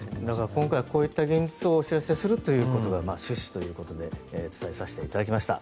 今回、こういった現実をお知らせするということが趣旨ということで伝えさせていただきました。